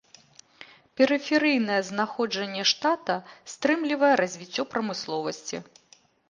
Перыферыйнае знаходжанне штата стрымлівае развіццё прамысловасці.